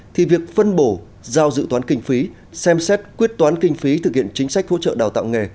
thì việc phân bổ giao dự toán kinh phí xem xét quyết toán kinh phí thực hiện chính sách hỗ trợ đào tạo nghề